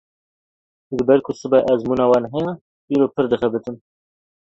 Ji ber ku sibê ezmûna wan heye, îro pir dixebitin.